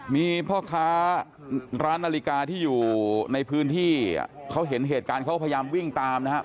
มีพ่อค้าร้านนาฬิกาที่อยู่ในพื้นที่เขาเห็นเหตุการณ์เขาพยายามวิ่งตามนะครับ